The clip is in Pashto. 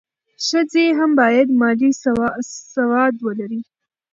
ښځې هم باید مالي سواد ولري.